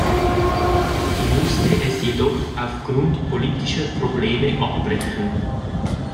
Sie musste es jedoch aufgrund politischer Probleme abbrechen.